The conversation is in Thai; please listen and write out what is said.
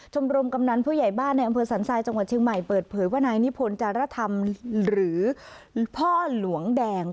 ชมรมกำนันผู้ใหญ่บ้านในอำเภอสันทรายจังหวัดเชียงใหม่เปิดเผยว่านายนิพนธ์จารธรรมหรือพ่อหลวงแดง